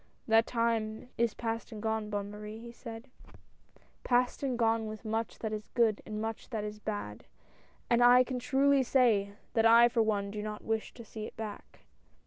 " That time is past and gone, Bonne Marie," he said, " past and gone with much that is good and much that is bad ; and I can truly say, that I for one, do not wish to see it back